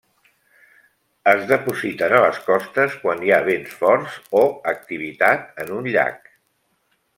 Es depositen a les costes quan hi ha vents forts o activitat en un llac.